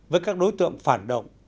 với các đối tượng phản động